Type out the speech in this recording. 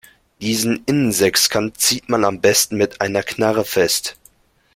Diesen Innensechskant zieht man am besten mit einer Knarre fest.